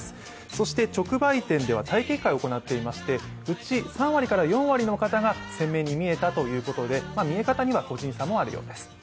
そして直売店では、体験会を行っていましてうち３割から４割の方が鮮明に見えたということで見え方には個人差もあるようです。